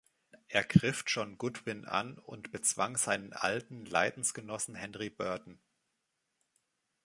Er griff John Goodwin an und bezwang seinen alten Leidensgenossen Henry Burton.